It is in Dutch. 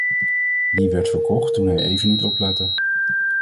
Die werd verkocht toen hij even niet oplette.